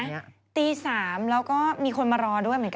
พี่เดี๋ยวนะตี๓แล้วก็มีคนมารอด้วยเหมือนกัน